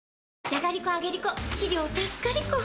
じゃがりこ、あげりこ！